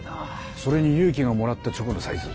それに祐樹がもらったチョコのサイズ。